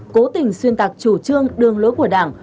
cố tình xuyên tạc chủ trương đường lối của đảng